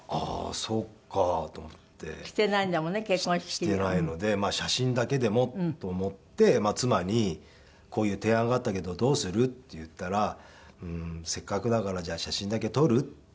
していないので写真だけでもと思って妻に「こういう提案があったけどどうする？」って言ったら「せっかくだからじゃあ写真だけ撮る？」っていう事で。